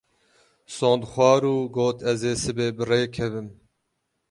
Sond xwar û got ez ê sibê bi rê kevim.